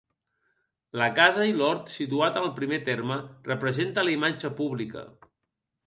La casa i l'hort situat en el primer terme, representa la imatge pública.